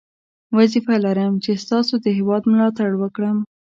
وظیفه لرم چې ستاسو د هیواد ملاتړ وکړم.